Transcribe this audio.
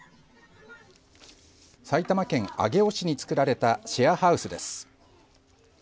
埼玉県上尾市に作られたシェアハウスです。